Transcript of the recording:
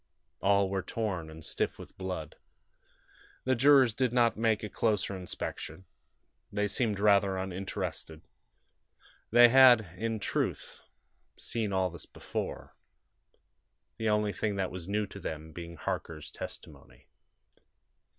All were torn, and stiff with blood. The jurors did not make a closer inspection. They seemed rather uninterested. They had, in truth, seen all this before; the only thing that was new to them being Harker's testimony.